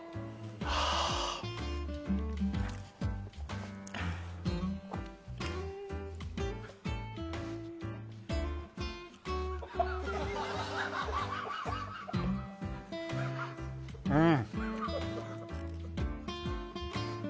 はあうん！